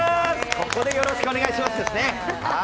ここでよろしくお願いしますですね。